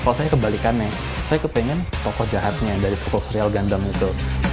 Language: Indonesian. kalau saya kebalikannya saya kepengen toko jahatnya dari toko serial gundam itu